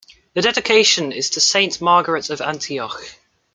The dedication is to Saint Margaret of Antioch.